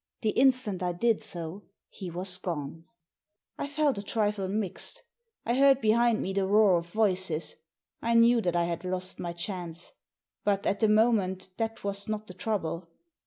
The instant I did so he was gone ! I felt a trifle mixed. I heard behind me the roar of voices. I knew that I had lost my chance. But, at the moment, that was not the trouble.